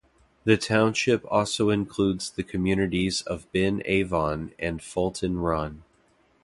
The township also includes the communities of Ben Avon and Fulton Run.